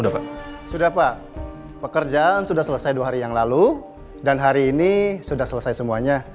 sudah pak sudah pak pekerjaan sudah selesai dua hari yang lalu dan hari ini sudah selesai semuanya